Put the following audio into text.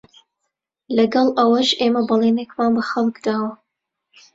لەگەڵ ئەوەش ئێمە بەڵێنێکمان بە خەڵک داوە